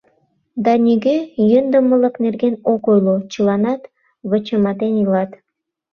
Да нигӧ йӧндымылык нерген ок ойло, чыланат вычыматен илат.